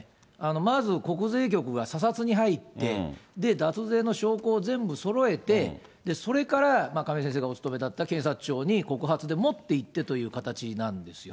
まず国税局が査察に入って、脱税の証拠を全部そろえて、それから亀井先生がお勤めだった検察庁に告発で持っていってという形なんですよ。